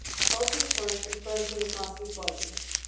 Baldur's horse was burnt with his master's body.